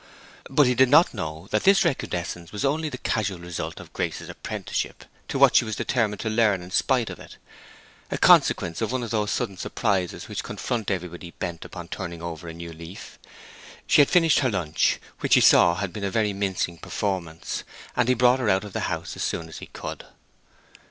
But he did not know that this recrudescence was only the casual result of Grace's apprenticeship to what she was determined to learn in spite of it—a consequence of one of those sudden surprises which confront everybody bent upon turning over a new leaf. She had finished her lunch, which he saw had been a very mincing performance; and he brought her out of the house as soon as he could.